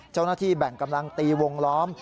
เจ้าหน้าที่แบ่งกำลังตีวงล้อม